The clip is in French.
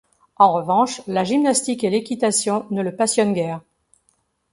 En revanche, la gymnastique et l'équitation ne le passionnent guère.